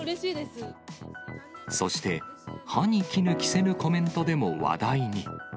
そして、歯にきぬ着せぬコメントでも話題に。